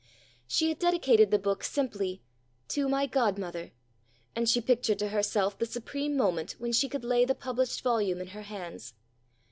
She had dedicated the book simply "To my Godmother," and she pictured to herself the supreme moment when she could lay the published volume in her hands.